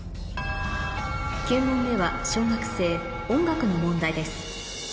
９問目は小学生音楽の問題です